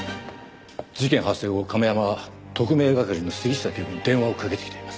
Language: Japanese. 事件発生後亀山は特命係の杉下警部に電話をかけてきています。